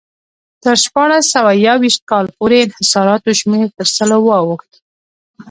تر شپاړس سوه یو ویشت کال پورې انحصاراتو شمېر تر سلو واوښت.